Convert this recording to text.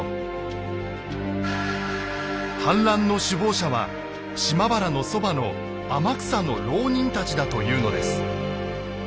反乱の首謀者は島原のそばの天草の牢人たちだというのです。